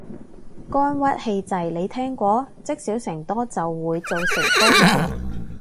肝鬱氣滯，你聽過？積少成多就會做成高血壓